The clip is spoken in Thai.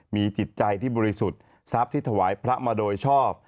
มีจิตใจที่บริสุทธิ์ทรัพย์ที่ถวายพระมาโดยชอบ